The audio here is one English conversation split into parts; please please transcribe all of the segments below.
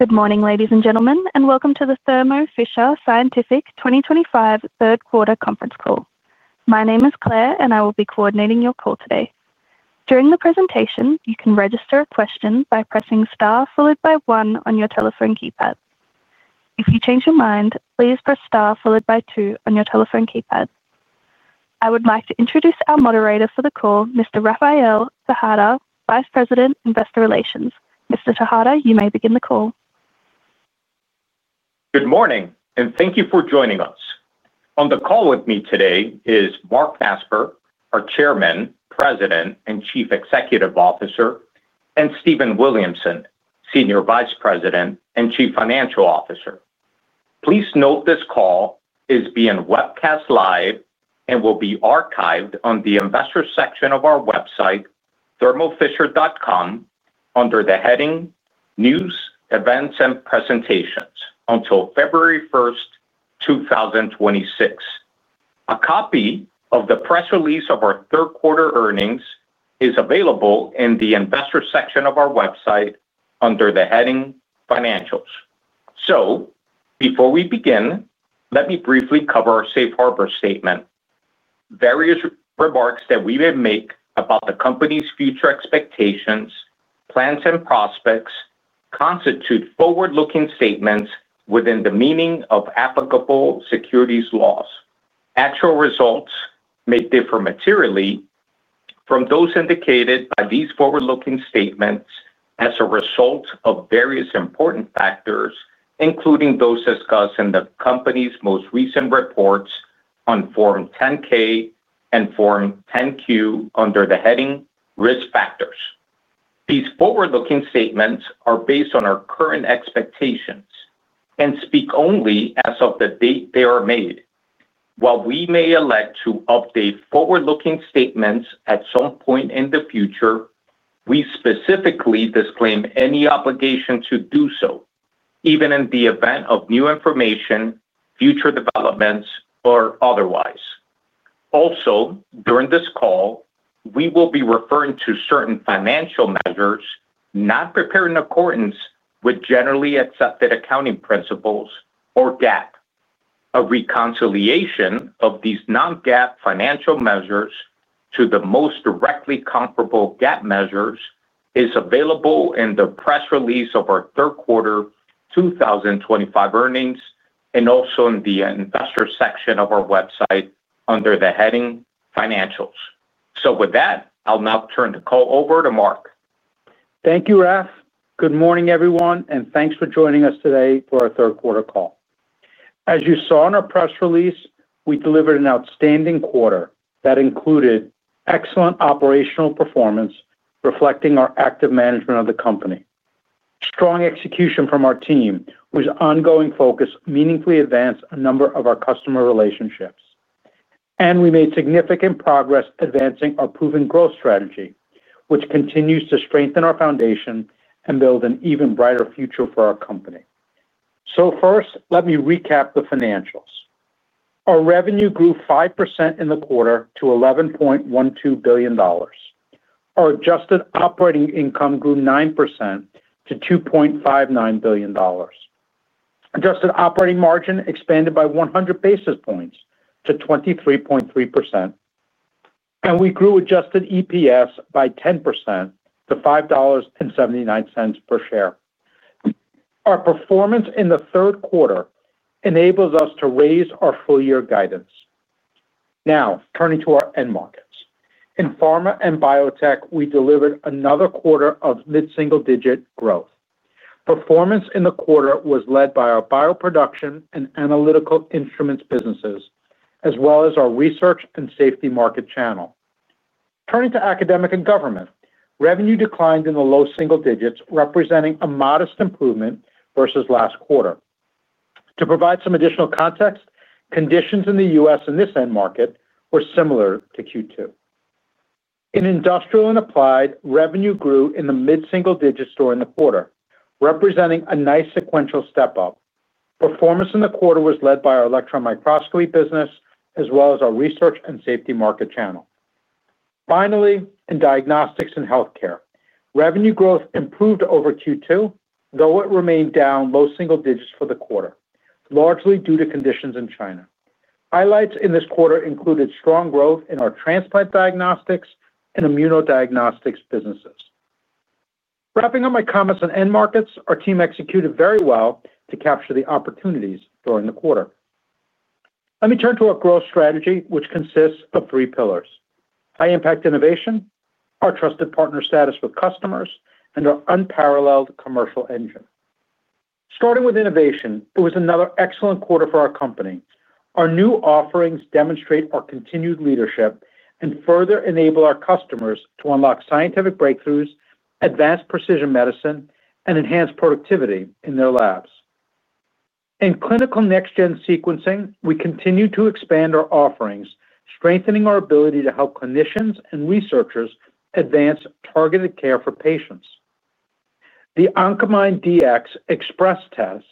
Good morning, ladies and gentlemen, and welcome to the Thermo Fisher Scientific 2025 third quarter conference call. My name is Claire, and I will be coordinating your call today. During the presentation, you can register a question by pressing * followed by 1 on your telephone keypad. If you change your mind, please press * followed by 2 on your telephone keypad. I would like to introduce our moderator for the call, Mr. Rafael Tejada, Vice President, Investor Relations. Mr. Tejada, you may begin the call. Good morning, and thank you for joining us. On the call with me today are Marc Casper, our Chairman, President, and Chief Executive Officer, and Stephen Williamson, Senior Vice President and Chief Financial Officer. Please note this call is being webcast live and will be archived on the Investor section of our website, thermofisher.com, under the heading "News, Events, and Presentations" until February 1, 2026. A copy of the press release of our third quarter earnings is available in the Investor section of our website under the heading "Financials." Before we begin, let me briefly cover our Safe Harbor statement. Various remarks that we may make about the company's future expectations, plans, and prospects constitute forward-looking statements within the meaning of applicable securities laws. Actual results may differ materially from those indicated by these forward-looking statements as a result of various important factors, including those discussed in the company's most recent reports on Form 10-K and Form 10-Q under the heading "Risk Factors." These forward-looking statements are based on our current expectations and speak only as of the date they are made. While we may elect to update forward-looking statements at some point in the future, we specifically disclaim any obligation to do so, even in the event of new information, future developments, or otherwise. Also, during this call, we will be referring to certain financial measures not prepared in accordance with generally accepted accounting principles or GAAP. A reconciliation of these non-GAAP financial measures to the most directly comparable GAAP measures is available in the press release of our third quarter 2025 earnings and also in the Investor section of our website under the heading "Financials." With that, I'll now turn the call over to Marc. Thank you, Raf. Good morning, everyone, and thanks for joining us today for our third quarter call. As you saw in our press release, we delivered an outstanding quarter that included excellent operational performance reflecting our active management of the company. Strong execution from our team, whose ongoing focus meaningfully advanced a number of our customer relationships. We made significant progress advancing our proven growth strategy, which continues to strengthen our foundation and build an even brighter future for our company. First, let me recap the financials. Our revenue grew 5% in the quarter to $11.12 billion. Our adjusted operating income grew 9% to $2.59 billion. Adjusted operating margin expanded by 100 basis points to 23.3%. We grew adjusted EPS by 10% to $5.79 per share. Our performance in the third quarter enables us to raise our full-year guidance. Now, turning to our end markets. In pharma and biotech, we delivered another quarter of mid-single-digit growth. Performance in the quarter was led by our Bioproduction and Analytical Instruments businesses, as well as our Research and Safety market channel. Turning to academic and government, revenue declined in the low single digits, representing a modest improvement versus last quarter. To provide some additional context, conditions in the U.S. in this end market were similar to Q2. In industrial and applied, revenue grew in the mid-single digits during the quarter, representing a nice sequential step up. Performance in the quarter was led by our Electron Microscopy business, as well as our Research and Safety market channel. Finally, in diagnostics and healthcare, revenue growth improved over Q2, though it remained down low single digits for the quarter, largely due to conditions in China. Highlights in this quarter included strong growth in our Transplant Diagnostics and Immunodiagnostics businesses. Wrapping up my comments on end markets, our team executed very well to capture the opportunities during the quarter. Let me turn to our growth strategy, which consists of three pillars: high-impact innovation, our trusted partner status with customers, and our unparalleled commercial engine. Starting with innovation, it was another excellent quarter for our company. Our new offerings demonstrate our continued leadership and further enable our customers to unlock scientific breakthroughs, advance precision medicine, and enhance productivity in their labs. In clinical next-gen sequencing, we continue to expand our offerings, strengthening our ability to help clinicians and researchers advance targeted care for patients. The Oncomine Dx Express Test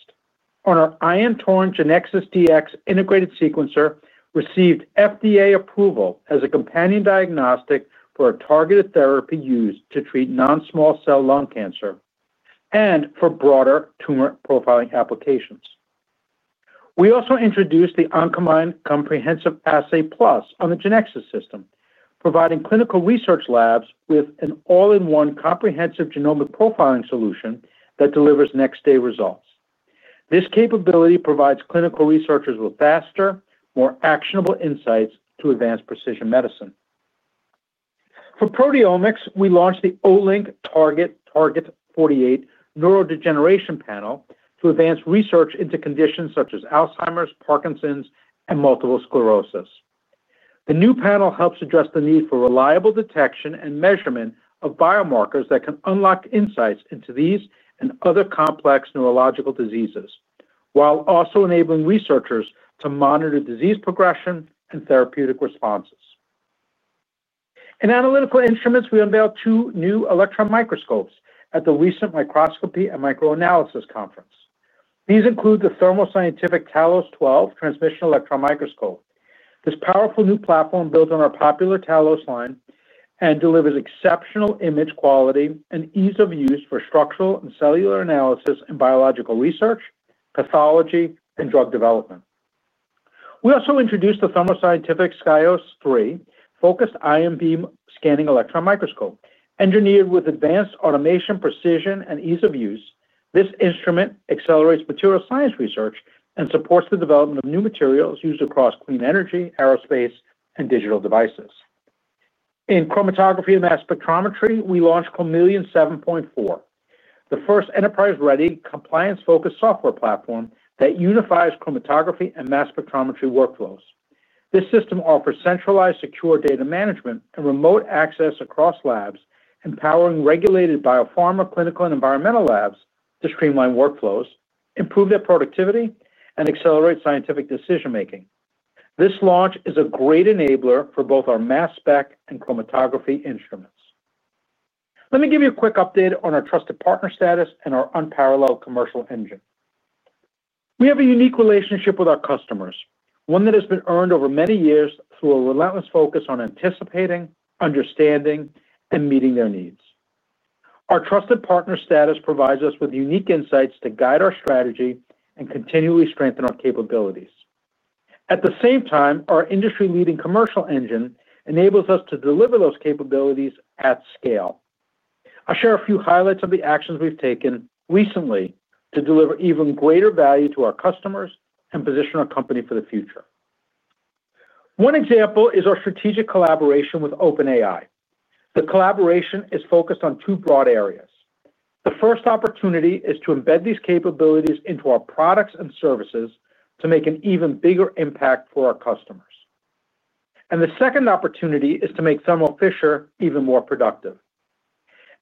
on our Ion Torrent Genexus Dx Integrated Sequencer received FDA approval as a companion diagnostic for a targeted therapy used to treat non-small cell lung cancer and for broader tumor profiling applications. We also introduced the Oncomine Comprehensive Assay Plus on the Genexus system, providing clinical research labs with an all-in-one comprehensive genomic profiling solution that delivers next-day results. This capability provides clinical researchers with faster, more actionable insights to advance precision medicine. For proteomics, we launched the Olink Target 48 Neurodegeneration panel to advance research into conditions such as Alzheimer's, Parkinson's, and multiple sclerosis. The new panel helps address the need for reliable detection and measurement of biomarkers that can unlock insights into these and other complex neurological diseases, while also enabling researchers to monitor disease progression and therapeutic responses. In Analytical Instruments, we unveiled two new electron microscopes at the recent Microscopy and Microanalysis Conference. These include the Thermo Scientific Talos 12 Transmission Electron Microscope. This powerful new platform builds on our popular Talos line and delivers exceptional image quality and ease of use for structural and cellular analysis in biological research, pathology, and drug development. We also introduced the Thermo Scientific Scios 3 Focused Ion Beam Scanning Electron Microscope. Engineered with advanced automation, precision, and ease of use, this instrument accelerates material science research and supports the development of new materials used across clean energy, aerospace, and digital devices. In Chromatography and Mass Spectrometry, we launched Chromeleon 7.4, the first enterprise-ready compliance-focused software platform that unifies Chromatography and Mass Spectrometry workflows. This system offers centralized, secure data management and remote access across labs, empowering regulated biopharma, clinical, and environmental labs to streamline workflows, improve their productivity, and accelerate scientific decision-making. This launch is a great enabler for both our mass spec and chromatography instruments. Let me give you a quick update on our trusted partner status and our unparalleled commercial engine. We have a unique relationship with our customers, one that has been earned over many years through a relentless focus on anticipating, understanding, and meeting their needs. Our trusted partner status provides us with unique insights to guide our strategy and continually strengthen our capabilities. At the same time, our industry-leading commercial engine enables us to deliver those capabilities at scale. I'll share a few highlights of the actions we've taken recently to deliver even greater value to our customers and position our company for the future. One example is our strategic collaboration with OpenAI. The collaboration is focused on two broad areas. The first opportunity is to embed these capabilities into our products and services to make an even bigger impact for our customers. The second opportunity is to make Thermo Fisher even more productive.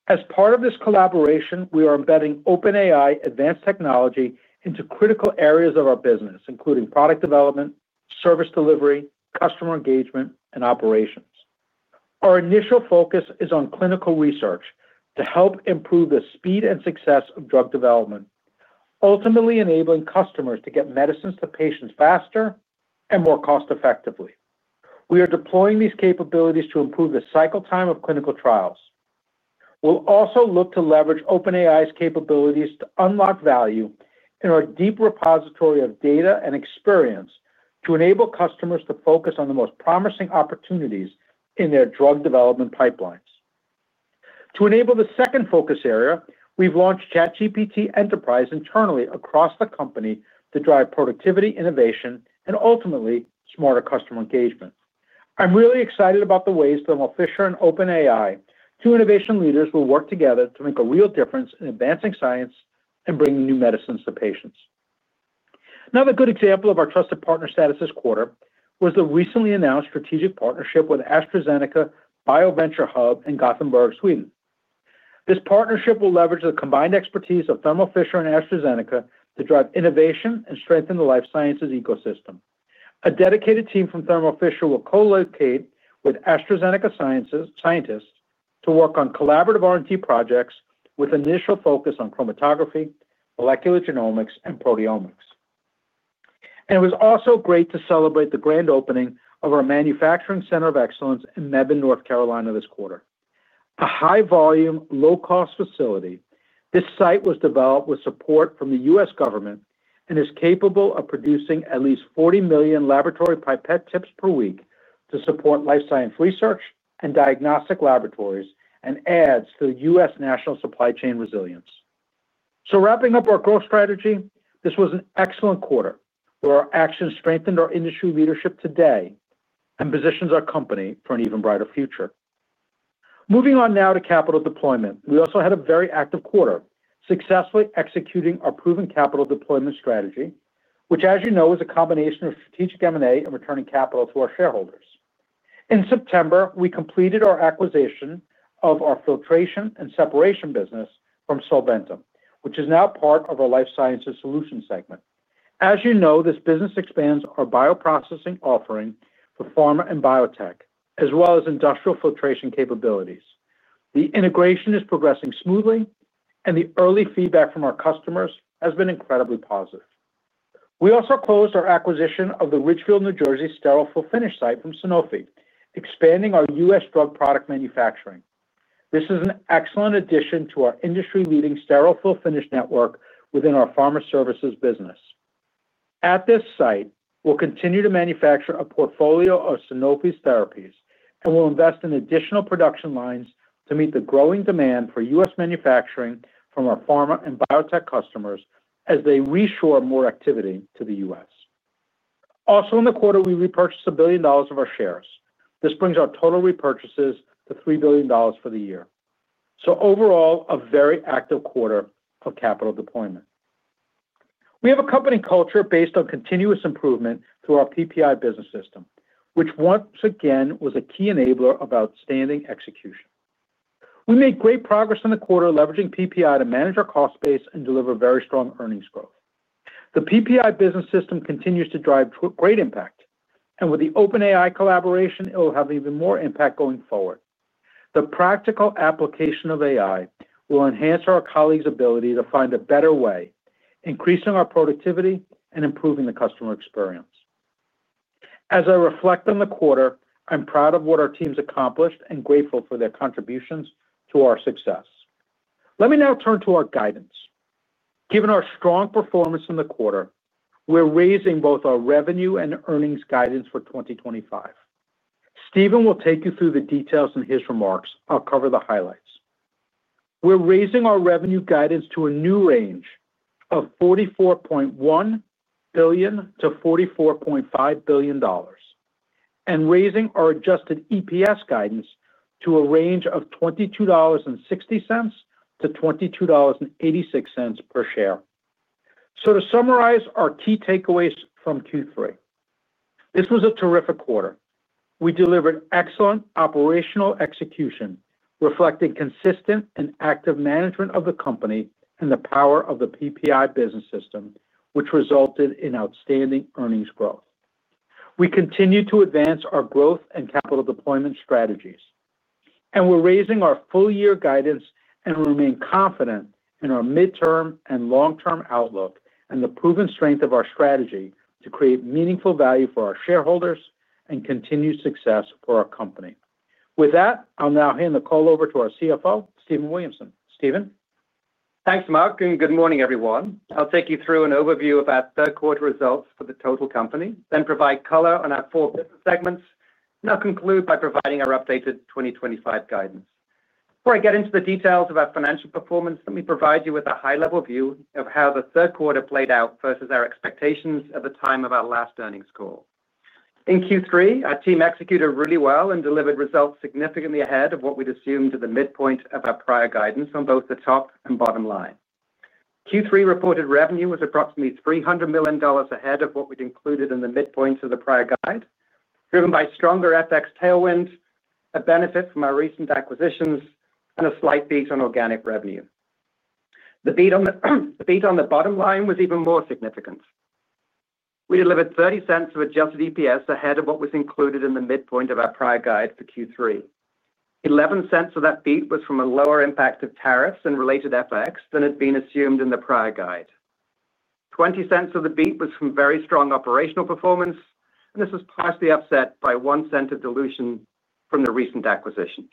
As part of this collaboration, we are embedding OpenAI advanced technology into critical areas of our business, including product development, service delivery, customer engagement, and operations. Our initial focus is on clinical research to help improve the speed and success of drug development, ultimately enabling customers to get medicines to patients faster and more cost-effectively. We are deploying these capabilities to improve the cycle time of clinical trials. We will also look to leverage OpenAI's capabilities to unlock value in our deep repository of data and experience to enable customers to focus on the most promising opportunities in their drug development pipelines. To enable the second focus area, we've launched ChatGPT Enterprise internally across the company to drive productivity, innovation, and ultimately smarter customer engagement. I'm really excited about the ways Thermo Fisher and OpenAI, two innovation leaders, will work together to make a real difference in advancing science and bringing new medicines to patients. Another good example of our trusted partner status this quarter was the recently announced strategic partnership with AstraZeneca's BioVentureHub in Gothenburg, Sweden. This partnership will leverage the combined expertise of Thermo Fisher and AstraZeneca to drive innovation and strengthen the life sciences ecosystem. A dedicated team from Thermo Fisher will co-locate with AstraZeneca scientists to work on collaborative R&D projects with initial focus on chromatography, molecular genomics, and proteomics. It was also great to celebrate the grand opening of our Manufacturing Center of Excellence in Mebane, North Carolina, this quarter. A high-volume, low-cost facility. This site was developed with support from the U.S. government and is capable of producing at least 40 million laboratory pipette tips per week to support life science research and diagnostic laboratories and adds to the U.S. national supply chain resilience. Wrapping up our growth strategy, this was an excellent quarter where our actions strengthened our industry leadership today and positioned our company for an even brighter future. Moving on now to capital deployment, we also had a very active quarter, successfully executing our proven capital deployment strategy, which, as you know, is a combination of strategic M&A and returning capital to our shareholders. In September, we completed our acquisition of our filtration and separation business from Solventum, which is now part of our Life Sciences Solutions segment. As you know, this business expands our bioprocessing offering for pharma and biotech, as well as industrial filtration capabilities. The integration is progressing smoothly, and the early feedback from our customers has been incredibly positive. We also closed our acquisition of the Ridgefield, NJ, sterile fill-finish site from Sanofi, expanding our U.S. drug product manufacturing. This is an excellent addition to our industry-leading sterile fill-finish network within our Pharma Services business. At this site, we'll continue to manufacture a portfolio of Sanofi's therapies, and we'll invest in additional production lines to meet the growing demand for U.S. manufacturing from our pharma and biotech customers as they reshore more activity to the U.S. Also, in the quarter, we repurchased $1 billion of our shares. This brings our total repurchases to $3 billion for the year. Overall, a very active quarter of capital deployment. We have a company culture based on continuous improvement through our PPI business system, which once again was a key enabler of outstanding execution. We made great progress in the quarter leveraging PPI to manage our cost base and deliver very strong earnings growth. The PPI business system continues to drive great impact, and with the OpenAI collaboration, it will have even more impact going forward. The practical application of AI will enhance our colleagues' ability to find a better way, increasing our productivity and improving the customer experience. As I reflect on the quarter, I'm proud of what our team's accomplished and grateful for their contributions to our success. Let me now turn to our guidance. Given our strong performance in the quarter, we're raising both our revenue and earnings guidance for 2025. Stephen will take you through the details in his remarks. I'll cover the highlights. We're raising our revenue guidance to a new range of $44.1 billion to $44.5 billion and raising our adjusted EPS guidance to a range of $22.60 to $22.86 per share. To summarize our key takeaways from Q3, this was a terrific quarter. We delivered excellent operational execution, reflecting consistent and active management of the company and the power of the PPI business system, which resulted in outstanding earnings growth. We continue to advance our growth and capital deployment strategies. We're raising our full-year guidance and remain confident in our midterm and long-term outlook and the proven strength of our strategy to create meaningful value for our shareholders and continued success for our company. With that, I'll now hand the call over to our CFO, Stephen Williamson. Stephen. Thanks, Marc. Good morning, everyone. I'll take you through an overview of our third quarter results for the total company, then provide color on our four business segments, and I'll conclude by providing our updated 2025 guidance. Before I get into the details of our financial performance, let me provide you with a high-level view of how the third quarter played out versus our expectations at the time of our last earnings call. In Q3, our team executed really well and delivered results significantly ahead of what we'd assumed at the midpoint of our prior guidance on both the top and bottom line. Q3 reported revenue was approximately $300 million ahead of what we'd included in the midpoint of the prior guide, driven by stronger FX tailwind, a benefit from our recent acquisitions, and a slight beat on organic revenue. The beat on the bottom line was even more significant. We delivered $0.30 of adjusted EPS ahead of what was included in the midpoint of our prior guide for Q3. $0.11 of that beat was from a lower impact of tariffs and related FX than had been assumed in the prior guide. $0.20 of the beat was from very strong operational performance, and this was partially offset by $0.01 of dilution from the recent acquisitions.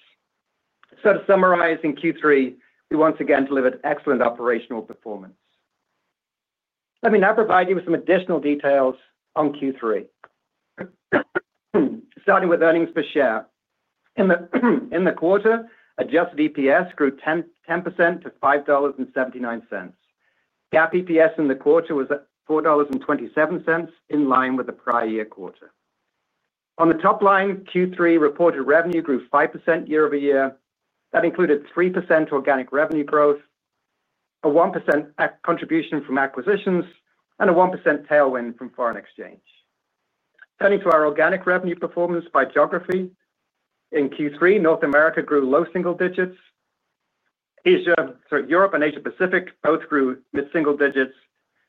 To summarize, in Q3, we once again delivered excellent operational performance. Let me now provide you with some additional details on Q3, starting with earnings per share. In the quarter, adjusted EPS grew 10% to $5.79. GAAP EPS in the quarter was at $4.27, in line with the prior year quarter. On the top line, Q3 reported revenue grew 5% year-over-year. That included 3% organic revenue growth, a 1% contribution from acquisitions, and a 1% tailwind from foreign exchange. Turning to our organic revenue performance by geography, in Q3, North America grew low single digits. Europe and Asia-Pacific both grew mid-single digits,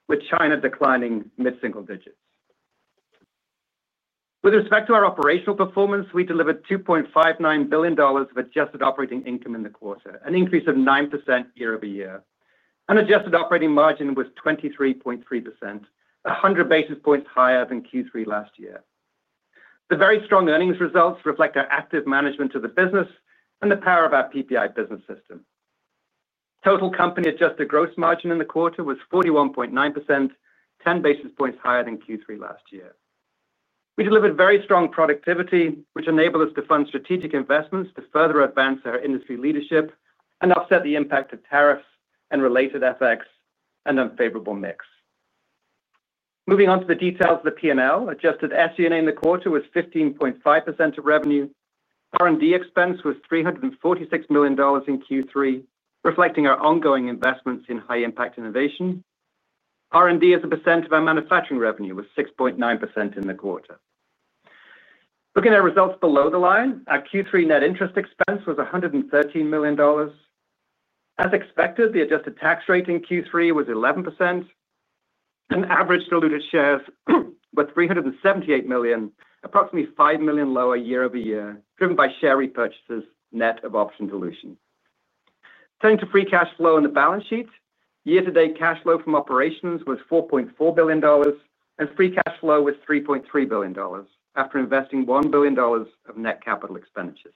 with China declining mid-single digits. With respect to our operational performance, we delivered $2.59 billion of adjusted operating income in the quarter, an increase of 9% year-over-year. Adjusted operating margin was 23.3%, 100 basis points higher than Q3 last year. The very strong earnings results reflect our active management of the business and the power of our PPI business system. Total company adjusted gross margin in the quarter was 41.9%, 10 basis points higher than Q3 last year. We delivered very strong productivity, which enabled us to fund strategic investments to further advance our industry leadership and offset the impact of tariffs and related FX and unfavorable mix. Moving on to the details of the P&L, adjusted SG&A in the quarter was 15.5% of revenue. R&D expense was $346 million in Q3, reflecting our ongoing investments in high-impact innovation. R&D as a percent of our manufacturing revenue was 6.9% in the quarter. Looking at our results below the line, our Q3 net interest expense was $113 million. As expected, the adjusted tax rate in Q3 was 11%. Average diluted shares were 378 million, approximately 5 million lower year-over-year, driven by share repurchases net of option dilution. Turning to free cash flow on the balance sheet, year-to-date cash flow from operations was $4.4 billion, and free cash flow was $3.3 billion after investing $1 billion of net capital expenditures.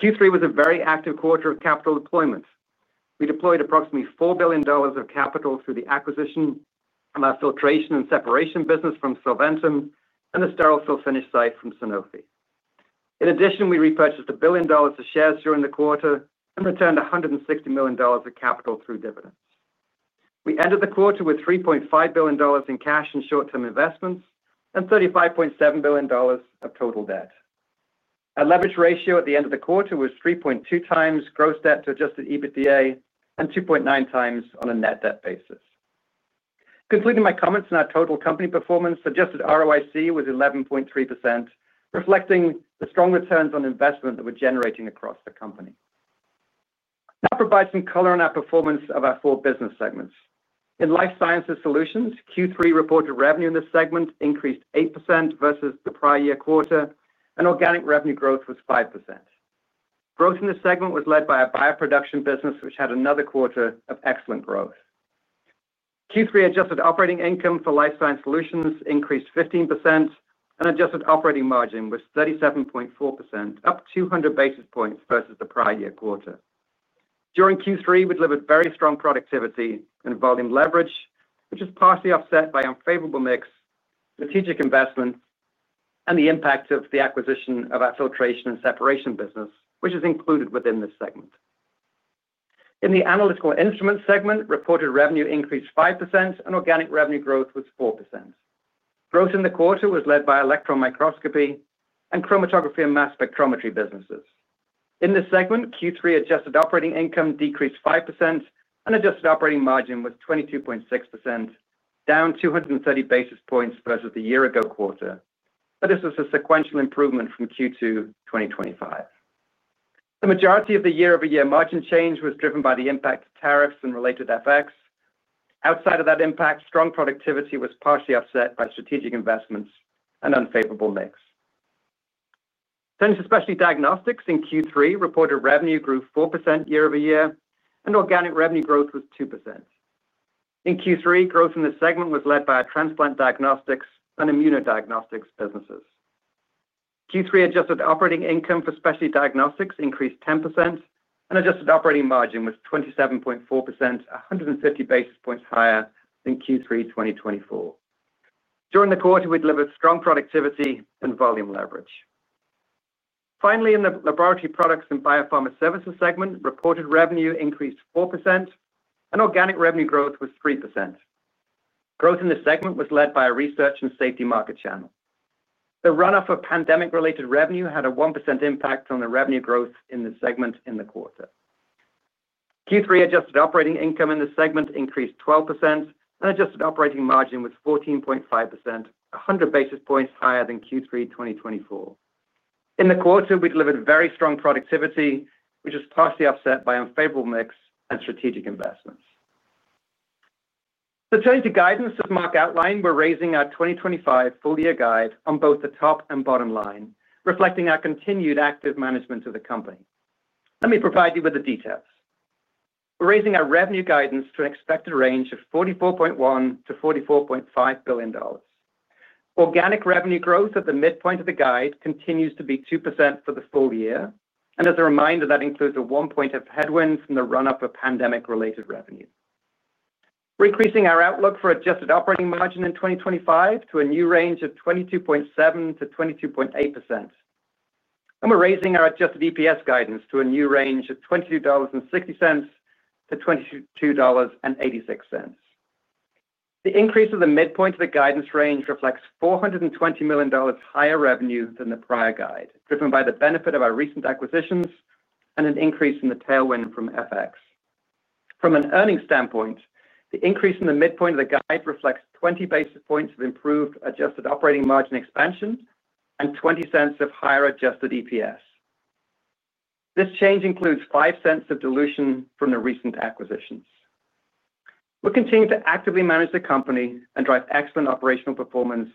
Q3 was a very active quarter of capital deployment. We deployed approximately $4 billion of capital through the acquisition of our filtration and separation business from Solventum and the sterile fill-finish site from Sanofi. In addition, we repurchased $1 billion of shares during the quarter and returned $160 million of capital through dividends. We ended the quarter with $3.5 billion in cash and short-term investments and $35.7 billion of total debt. Our leverage ratio at the end of the quarter was 3.2 times gross debt to adjusted EBITDA and 2.9 times on a net debt basis. Concluding my comments on our total company performance, adjusted ROIC was 11.3%, reflecting the strong returns on investment that we're generating across the company. Now, I'll provide some color on our performance of our four business segments. In Life Sciences Solutions, Q3 reported revenue in this segment increased 8% versus the prior year quarter, and organic revenue growth was 5%. Growth in this segment was led by our Bioproduction business, which had another quarter of excellent growth. Q3 adjusted operating income for Life Sciences Solutions increased 15%, and adjusted operating margin was 37.4%, up 200 basis points versus the prior year quarter. During Q3, we delivered very strong productivity and volume leverage, which is partially offset by unfavorable mix, strategic investment, and the impact of the acquisition of our filtration and separation business, which is included within this segment. In the Analytical Instruments segment, reported revenue increased 5%, and organic revenue growth was 4%. Growth in the quarter was led by Electron Microscopy and Chromatography and Mass Spectrometry businesses. In this segment, Q3 adjusted operating income decreased 5%, and adjusted operating margin was 22.6%, down 230 basis points versus the year-ago quarter. This was a sequential improvement from Q2 2025. The majority of the year-over-year margin change was driven by the impact of tariffs and related FX. Outside of that impact, strong productivity was partially offset by strategic investments and unfavorable mix. Turning to Specialty Diagnostics, in Q3, reported revenue grew 4% year-over-year, and organic revenue growth was 2%. In Q3, growth in this segment was led by our Transplant Diagnostics and Immunodiagnostics businesses. Q3 adjusted operating income for Specialty Diagnostics increased 10%, and adjusted operating margin was 27.4%, 130 basis points higher than Q3 2024. During the quarter, we delivered strong productivity and volume leverage. Finally, in the Laboratory Products and Biopharma Services segment, reported revenue increased 4%, and organic revenue growth was 3%. Growth in this segment was led by our Research and Safety market channel. The runoff of pandemic-related revenue had a 1% impact on the revenue growth in this segment in the quarter. Q3 adjusted operating income in this segment increased 12%, and adjusted operating margin was 14.5%, 100 basis points higher than Q3 2024. In the quarter, we delivered very strong productivity, which is partially offset by unfavorable mix and strategic investments. Turning to guidance, as Marc outlined, we're raising our 2025 full-year guide on both the top and bottom line, reflecting our continued active management of the company. Let me provide you with the details. We're raising our revenue guidance to an expected range of $44.1 billion to $44.5 billion. Organic revenue growth at the midpoint of the guide continues to be 2% for the full year, and as a reminder, that includes a 1% headwind from the runoff of pandemic-related revenue. We're increasing our outlook for adjusted operating margin in 2025 to a new range of 22.7% to 22.8%. We're raising our adjusted EPS guidance to a new range of $22.60 to $22.86. The increase of the midpoint of the guidance range reflects $420 million higher revenue than the prior guide, driven by the benefit of our recent acquisitions and an increase in the tailwind from FX. From an earnings standpoint, the increase in the midpoint of the guide reflects 20 basis points of improved adjusted operating margin expansion and $0.20 of higher adjusted EPS. This change includes $0.05 of dilution from the recent acquisitions. We'll continue to actively manage the company and drive excellent operational performance,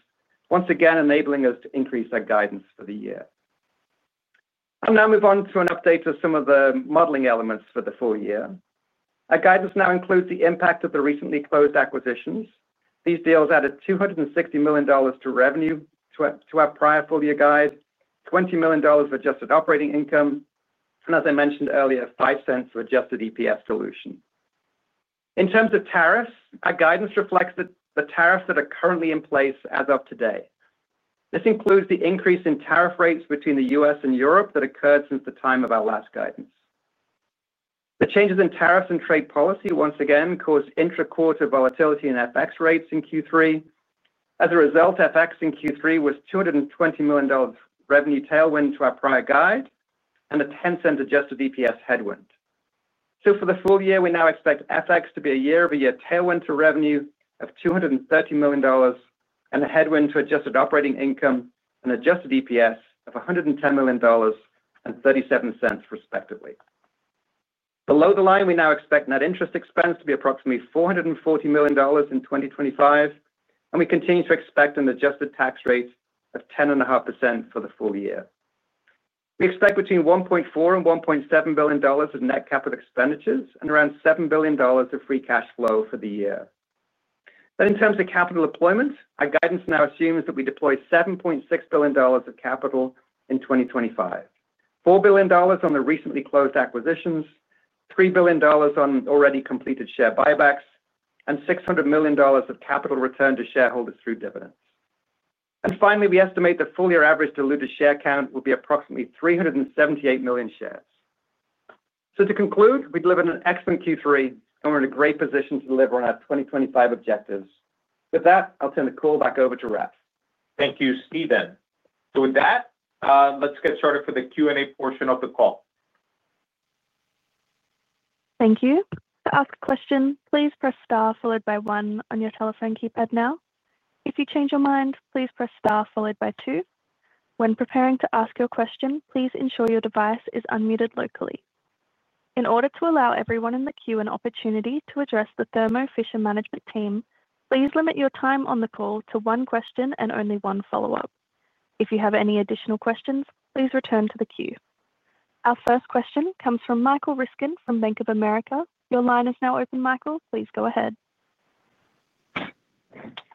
once again enabling us to increase our guidance for the year. I'll now move on to an update of some of the modeling elements for the full year. Our guidance now includes the impact of the recently closed acquisitions. These deals added $260 million to revenue to our prior full-year guide, $20 million of adjusted operating income, and as I mentioned earlier, $0.05 of adjusted EPS dilution. In terms of tariffs, our guidance reflects the tariffs that are currently in place as of today. This includes the increase in tariff rates between the U.S. and Europe that occurred since the time of our last guidance. The changes in tariffs and trade policy once again cause intra-quarter volatility in FX rates in Q3. As a result, FX in Q3 was a $220 million revenue tailwind to our prior guide and a $0.10 adjusted EPS headwind. For the full year, we now expect FX to be a year-over-year tailwind to revenue of $230 million and a headwind to adjusted operating income and adjusted EPS of $110 million and $0.37, respectively. Below the line, we now expect net interest expense to be approximately $440 million in 2025, and we continue to expect an adjusted tax rate of 10.5% for the full year. We expect between $1.4 billion and $1.7 billion of net capital expenditures and around $7 billion of free cash flow for the year. In terms of capital deployment, our guidance now assumes that we deploy $7.6 billion of capital in 2025, $4 billion on the recently closed acquisitions, $3 billion on already completed share buybacks, and $600 million of capital returned to shareholders through dividends. Finally, we estimate the full-year average diluted share count will be approximately 378 million shares. To conclude, we delivered an excellent Q3 and we're in a great position to deliver on our 2025 objectives. With that, I'll turn the call back over to Raf. Thank you, Stephen. With that, let's get started for the Q&A portion of the call. Thank you. To ask a question, please press * followed by 1 on your telephone keypad now. If you change your mind, please press * followed by 2. When preparing to ask your question, please ensure your device is unmuted locally. In order to allow everyone in the queue an opportunity to address the Thermo Fisher management team, please limit your time on the call to one question and only one follow-up. If you have any additional questions, please return to the queue. Our first question comes from Michael Ryskin from Bank of America. Your line is now open, Michael. Please go ahead.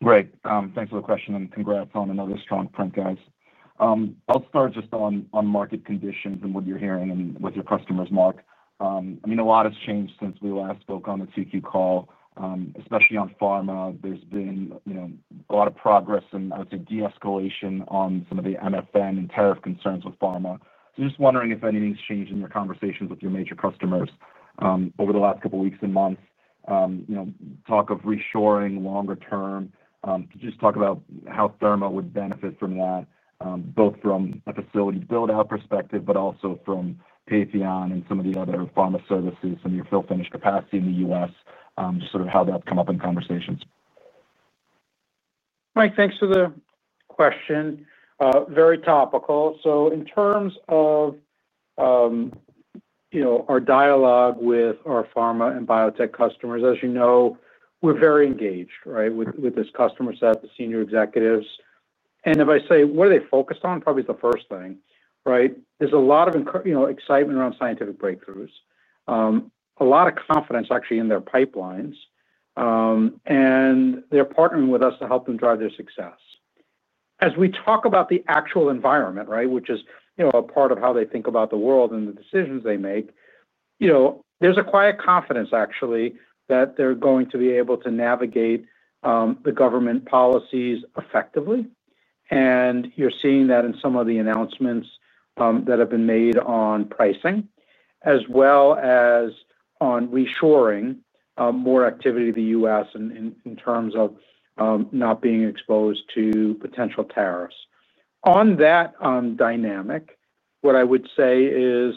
Great. Thanks for the question and congrats on another strong quarter, guys. I'll start just on market conditions and what you're hearing and with your customers, Marc. I mean, a lot has changed since we last spoke on the CQ call, especially on pharma. There's been a lot of progress and I would say de-escalation on some of the MFN and tariff concerns with pharma. Just wondering if anything's changed in your conversations with your major customers over the last couple of weeks and months. Talk of reshoring longer term, just talk about how Thermo Fisher Scientific would benefit from that, both from a facility build-out perspective, but also from Patheon and some of the other Pharma Services and your sterile fill finish capacity in the U.S., just sort of how that's come up in conversations. Mike, thanks for the question. Very topical. In terms of our dialogue with our pharma and biotech customers, as you know, we're very engaged with this customer set, the senior executives. If I say, what are they focused on, probably is the first thing. There's a lot of excitement around scientific breakthroughs, a lot of confidence actually in their pipelines, and they're partnering with us to help them drive their success. As we talk about the actual environment, which is a part of how they think about the world and the decisions they make, there's a quiet confidence actually that they're going to be able to navigate the government policies effectively. You're seeing that in some of the announcements that have been made on pricing, as well as on reshoring more activity in the U.S. in terms of not being exposed to potential tariffs. On that dynamic, what I would say is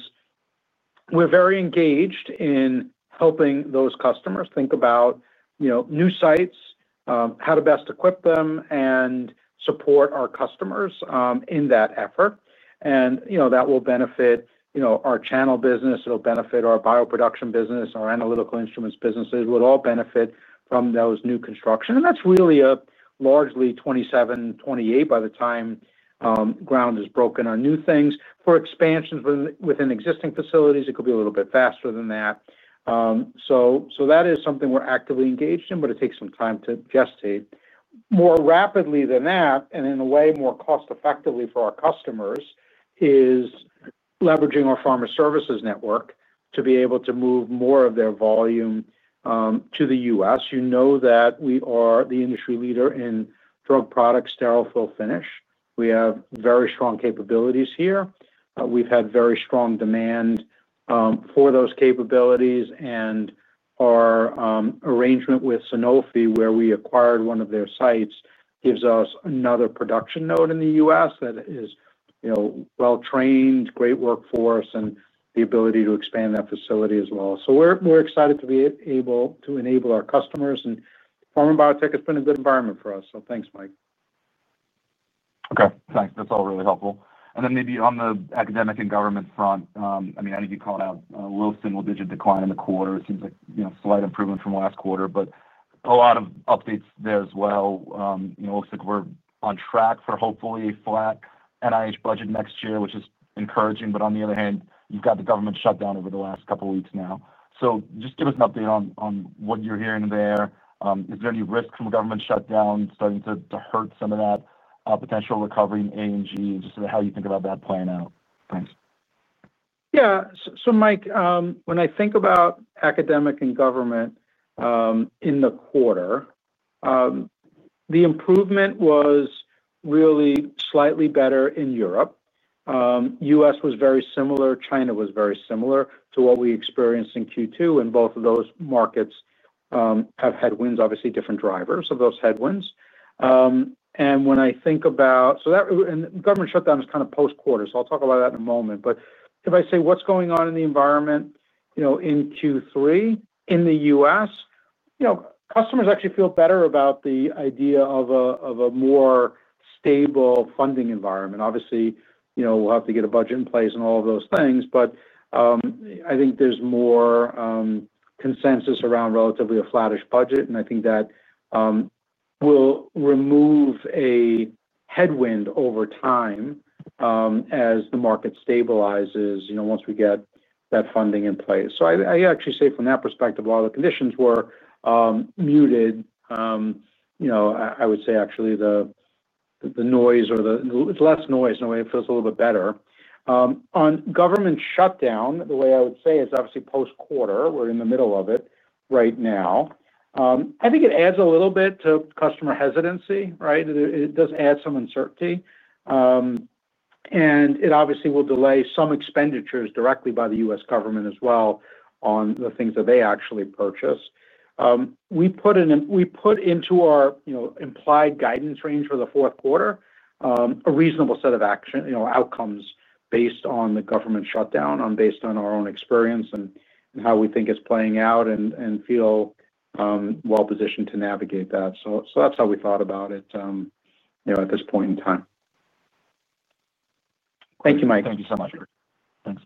we're very engaged in helping those customers think about new sites, how to best equip them, and support our customers in that effort. That will benefit our channel business. It'll benefit our Bioproduction business, our Analytical Instruments businesses. It would all benefit from those new constructions. That's really a largely 2027-2028 by the time ground is broken on new things. For expansions within existing facilities, it could be a little bit faster than that. That is something we're actively engaged in, but it takes some time to gestate. More rapidly than that, and in a way more cost-effectively for our customers, is leveraging our Pharma Services network to be able to move more of their volume to the U.S. You know that we are the industry leader in drug products sterile fill-finish. We have very strong capabilities here. We've had very strong demand for those capabilities. Our arrangement with Sanofi, where we acquired one of their sites, gives us another production node in the U.S. that is well-trained, great workforce, and the ability to expand that facility as well. We're excited to be able to enable our customers. Pharma and biotech has been a good environment for us. Thanks, Mike. Okay. Thanks. That's all really helpful. Maybe on the academic and government front, I think you called out a little single-digit decline in the quarter. It seems like slight improvement from last quarter, but a lot of updates there as well. It looks like we're on track for hopefully a flat NIH budget next year, which is encouraging. On the other hand, you've got the government shutdown over the last couple of weeks now. Just give us an update on what you're hearing there. Is there any risk from a government shutdown starting to hurt some of that potential recovery in A&G? Just sort of how you think about that playing out. Thanks. Yeah. Mike, when I think about academic and government in the quarter, the improvement was really slightly better in Europe. The U.S. was very similar. China was very similar to what we experienced in Q2. Both of those markets have headwinds, obviously different drivers of those headwinds. When I think about that, and the government shutdown is kind of post-quarter, I'll talk about that in a moment. If I say what's going on in the environment, in Q3 in the U.S., customers actually feel better about the idea of a more stable funding environment. Obviously, we'll have to get a budget in place and all of those things, but I think there's more consensus around relatively a flattish budget. I think that will remove a headwind over time as the market stabilizes once we get that funding in place. I actually say from that perspective, while the conditions were muted, I would say actually the noise or the, it's less noise in a way. It feels a little bit better. On government shutdown, the way I would say it's obviously post-quarter. We're in the middle of it right now. I think it adds a little bit to customer hesitancy, right? It does add some uncertainty. It obviously will delay some expenditures directly by the U.S. government as well on the things that they actually purchase. We put into our implied guidance range for the fourth quarter a reasonable set of action, outcomes based on the government shutdown, based on our own experience and how we think it's playing out and feel well-positioned to navigate that. That's how we thought about it at this point in time. Thank you, Mike. Thank you so much. Thanks.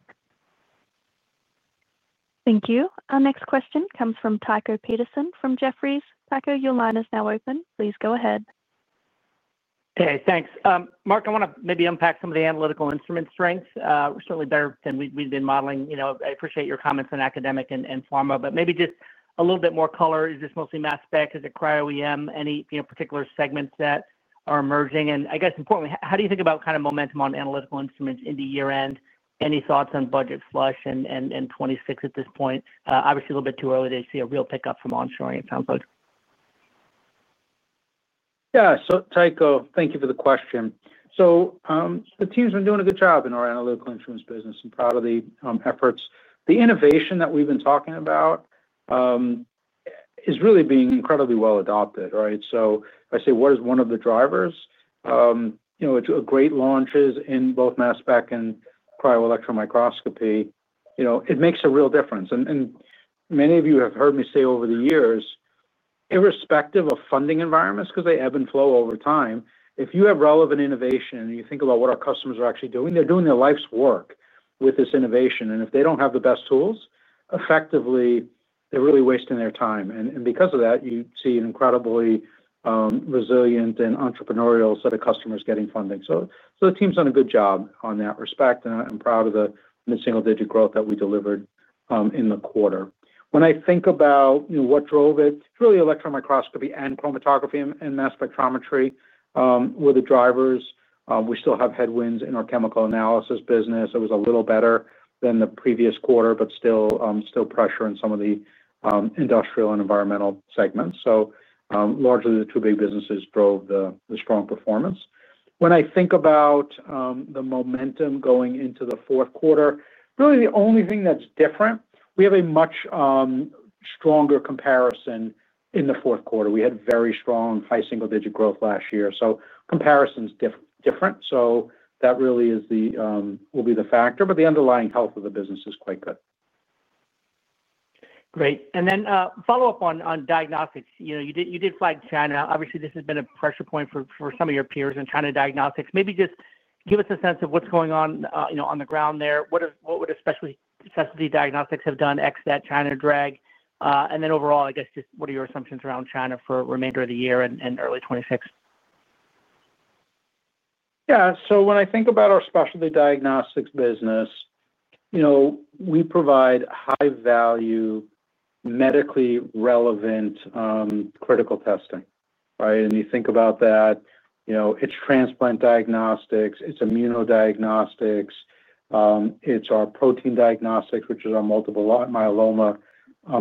Thank you. Our next question comes from Tycho Peterson from Jefferies. Tycho, your line is now open. Please go ahead. Hey, thanks. Marc, I want to maybe unpack some of the analytical instrument strengths. We're certainly better than we've been modeling. I appreciate your comments on academic and pharma, but maybe just a little bit more color. Is this mostly mass spec? Is it cryo-EM? Any particular segments that are emerging? I guess importantly, how do you think about kind of momentum on Analytical Instruments into year-end? Any thoughts on budget flush in 2026 at this point? Obviously, a little bit too early to see a real pickup from onshoring, it sounds like. Yeah. Tycho, thank you for the question. The team's been doing a good job in our Analytical Instruments business. I'm proud of the efforts. The innovation that we've been talking about is really being incredibly well adopted, right? If I say what is one of the drivers, it's great launches in both mass spec and Cryo-Electron Microscopy. It makes a real difference. Many of you have heard me say over the years, irrespective of funding environments, because they ebb and flow over time, if you have relevant innovation and you think about what our customers are actually doing, they're doing their life's work with this innovation. If they don't have the best tools, effectively, they're really wasting their time. Because of that, you see an incredibly resilient and entrepreneurial set of customers getting funding. The team's done a good job in that respect. I'm proud of the mid-single-digit growth that we delivered in the quarter. When I think about what drove it, it's really Electron Microscopy and Chromatography and Mass Spectrometry were the drivers. We still have headwinds in our chemical analysis business. It was a little better than the previous quarter, but still pressure in some of the industrial and environmental segments. Largely, the two big businesses drove the strong performance. When I think about the momentum going into the fourth quarter, really the only thing that's different, we have a much stronger comparison in the fourth quarter. We had very strong high single-digit growth last year. Comparison's different. That really will be the factor. The underlying health of the business is quite good. Great. On diagnostics, you did flag China. Obviously, this has been a pressure point for some of your peers in China diagnostics. Maybe just give us a sense of what's going on on the ground there. What would Specialty Diagnostics have done ex that China drag? Overall, I guess just what are your assumptions around China for the remainder of the year and early 2026? Yeah. When I think about our Specialty Diagnostics business, we provide high-value, medically relevant critical testing, right? You think about that, it's Transplant Diagnostics, Immunodiagnostics, our protein diagnostics, which is our multiple myeloma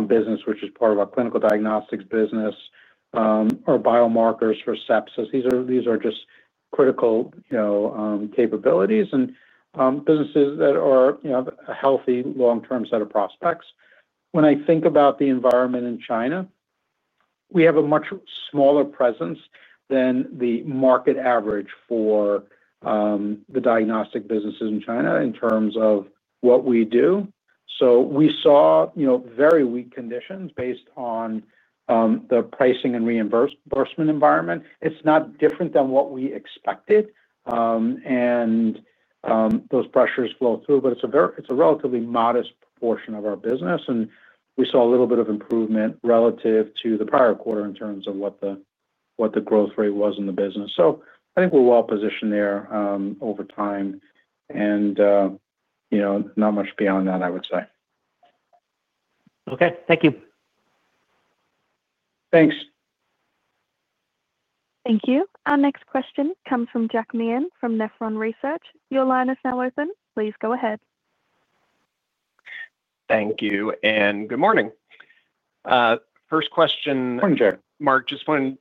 business, which is part of our clinical diagnostics business, our biomarkers for sepsis. These are just critical capabilities and businesses that are a healthy long-term set of prospects. When I think about the environment in China, we have a much smaller presence than the market average for the diagnostic businesses in China in terms of what we do. We saw very weak conditions based on the pricing and reimbursement environment. It's not different than what we expected, and those pressures flow through, but it's a relatively modest proportion of our business. We saw a little bit of improvement relative to the prior quarter in terms of what the growth rate was in the business. I think we're well positioned there over time. Not much beyond that, I would say. Okay, thank you. Thanks. Thank you. Our next question comes from Jack Meehan from Nephron Research. Your line is now open. Please go ahead. Thank you, and good morning. First question. Morning, Jack. Marc, just wanted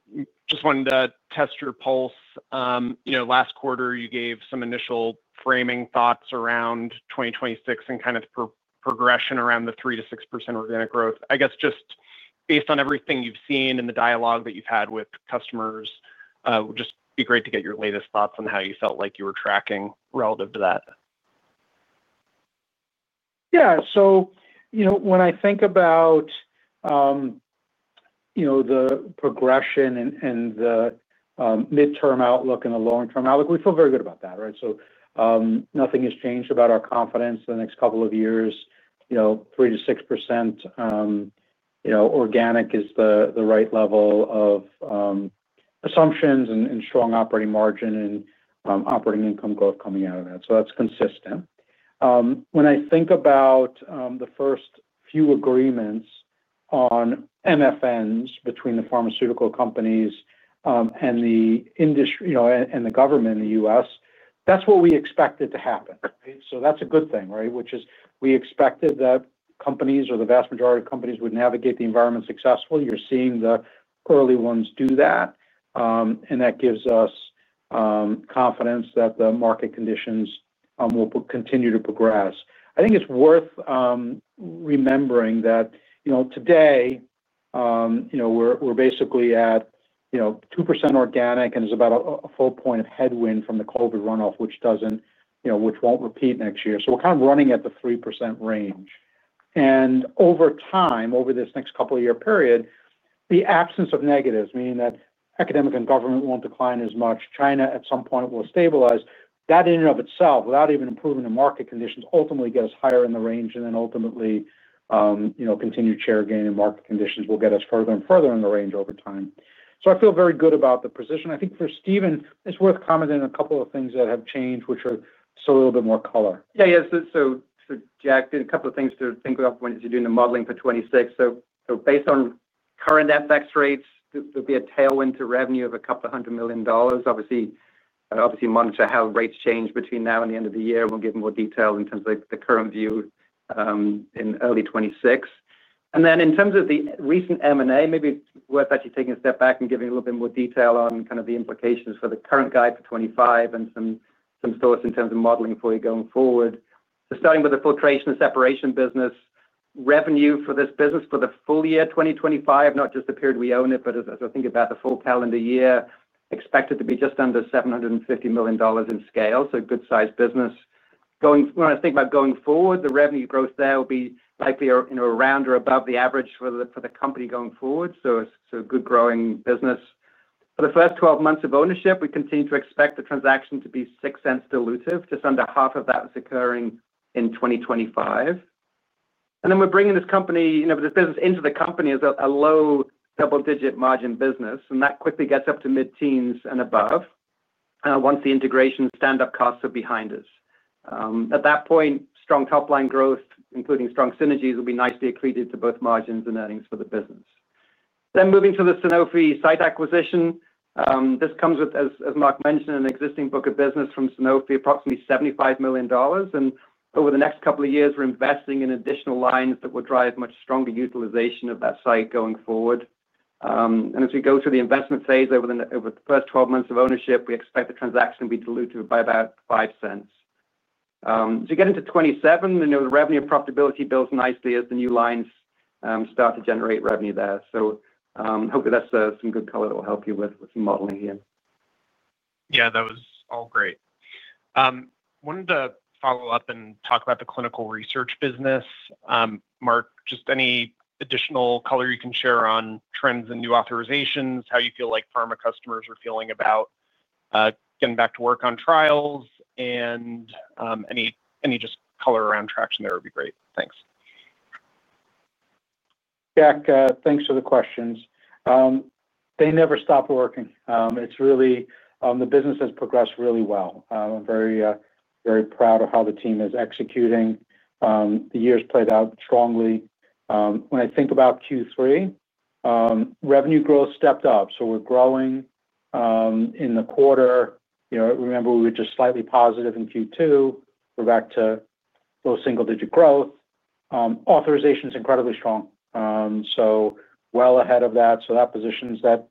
to test your pulse. Last quarter, you gave some initial framing thoughts around 2026 and kind of the progression around the 3% to 6% organic growth. I guess just based on everything you've seen and the dialogue that you've had with customers, it would just be great to get your latest thoughts on how you felt like you were tracking relative to that. Yeah. When I think about the progression and the midterm outlook and the long-term outlook, we feel very good about that, right? Nothing has changed about our confidence in the next couple of years. 3% to 6% organic is the right level of assumptions and strong operating margin and operating income growth coming out of that. That's consistent. When I think about the first few agreements on MFNs between the pharmaceutical companies and the industry and the government in the U.S., that's what we expected to happen, right? That's a good thing, right? We expected that companies or the vast majority of companies would navigate the environment successfully. You're seeing the early ones do that. That gives us confidence that the market conditions will continue to progress. I think it's worth remembering that today we're basically at 2% organic and is about a full point of headwind from the COVID runoff, which won't repeat next year. We're kind of running at the 3% range. Over time, over this next couple-year period, the absence of negatives, meaning that academic and government won't decline as much, China at some point will stabilize, that in and of itself, without even improving the market conditions, ultimately gets us higher in the range. Ultimately, continued share gain and market conditions will get us further and further in the range over time. I feel very good about the position. I think for Stephen, it's worth commenting on a couple of things that have changed, which are just a little bit more color. Yeah, yeah. Jack, a couple of things to think of when you're doing the modeling for 2026. Based on current FX rates, there will be a tailwind to revenue of a couple of hundred million dollars. Obviously, monitor how rates change between now and the end of the year. We'll give more detail in terms of the current view in early 2026. In terms of the recent M&A, maybe it's worth actually taking a step back and giving a little bit more detail on the implications for the current guide for 2025 and some thoughts in terms of modeling for you going forward. Starting with the filtration and separation business, revenue for this business for the full year 2025, not just the period we own it, but as I think about the full calendar year, is expected to be just under $750 million in scale. A good-sized business. When I think about going forward, the revenue growth there will be likely around or above the average for the company going forward. A good growing business. For the first 12 months of ownership, we continue to expect the transaction to be $0.06 dilutive. Just under half of that is occurring in 2025. We're bringing this business into the company as a low double-digit margin business, and that quickly gets up to mid-teens and above once the integration standup costs are behind us. At that point, strong top-line growth, including strong synergies, will be nicely accretive to both margins and earnings for the business. Moving to the Sanofi site acquisition, this comes with, as Marc mentioned, an existing book of business from Sanofi, approximately $75 million. Over the next couple of years, we're investing in additional lines that will drive much stronger utilization of that site going forward. As we go through the investment phase over the first 12 months of ownership, we expect the transaction to be dilutive by about $0.05. As you get into 2027, the revenue profitability builds nicely as the new lines start to generate revenue there. Hopefully, that's some good color that will help you with some modeling here. Yeah, that was all great. I wanted to follow up and talk about the clinical research business. Marc, just any additional color you can share on trends and new authorizations, how you feel like pharma customers are feeling about getting back to work on trials, and any just color around traction there would be great. Thanks. Jack, thanks for the questions. They never stopped working. It's really, the business has progressed really well. I'm very, very proud of how the team is executing. The year's played out strongly. When I think about Q3, revenue growth stepped up. We're growing in the quarter. You know, remember we were just slightly positive in Q2. We're back to low single-digit growth. Authorization is incredibly strong, well ahead of that. That positions, that